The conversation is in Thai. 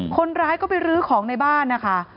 คนร้ายก็ไปรื้อของในบ้านนะคะ